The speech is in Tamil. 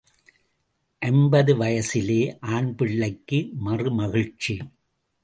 ஐம்பது வயசிலே ஆண்பிள்ளைக்கு மறு மகிழ்ச்சி.